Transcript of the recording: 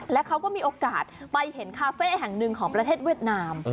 และเขาก็มีโอกาสไปเห็นคาเฟ่แห่งหนึ่งของประเทศเวียดนาม